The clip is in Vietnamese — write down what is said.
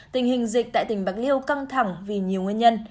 tình hình dịch tại tỉnh bạc liêu căng thẳng vì nhiều nguyên nhân